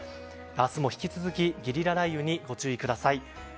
明日も引き続きゲリラ雷雨にご注意ください。